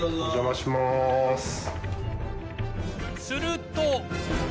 すると